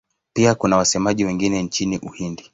Pia kuna wasemaji wengine nchini Uhindi.